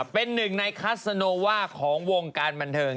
เป็นหนึ่งในคัสโนว่าของวงการบันเทิง